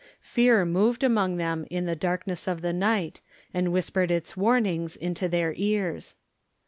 Fear moved among them in the darkness of the night and whispered its warnings into their ears.